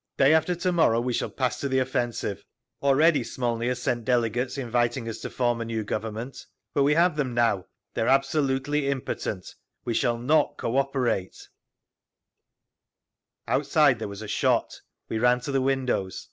Day after to morrow we shall pass to the offensive…. Already Smolny has sent delegates inviting us to form a new Government. But we have them now—they are absolutely impotent…. We shall not cooperate…." Outside there was a shot. We ran to the windows.